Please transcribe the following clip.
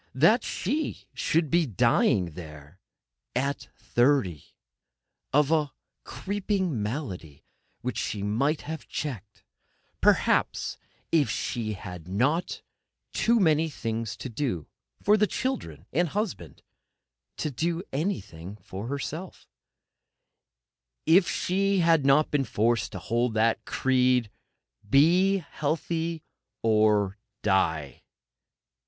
That she should be dying there at thirty, of a creeping malady which she might have checked, perhaps, if she had not had too many things to do for the children and husband, to do anything for herself—if she had not been forced to hold the creed: Be healthy, or die!